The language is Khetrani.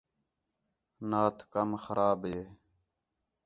نات کم خراب ہے